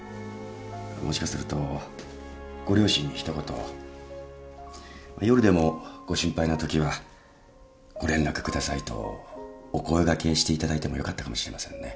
もしかするとご両親に一言夜でもご心配なときはご連絡下さいとお声掛けしていただいてもよかったかもしれませんね。